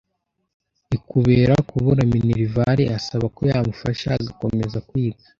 i kubera kubura minerval asaba ko yamufasha agakomeza kwiga